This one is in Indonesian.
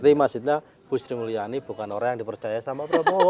berarti maksudnya ibu sri mulyani bukan orang yang dipercaya oleh pak prabowo